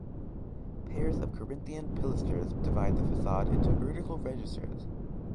Pairs of Corinthian pilasters divide the facade into vertical registers.